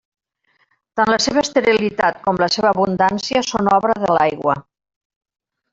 Tant la seva esterilitat com la seva abundància són obra de l'aigua.